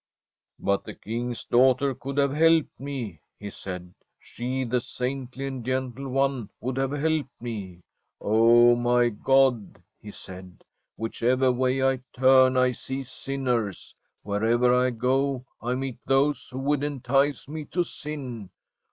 ' But the King's daughter could have helped me/ he said ;' she the saintly and gentle one would have helped me. Oh, my God/ he said, ' whichever way I turn I see sinners, wherever I go I meet those who would entice me to sin.